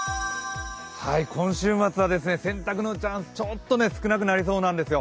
今週末は、洗濯のチャンスちょっと少なくなりそうなんですよ。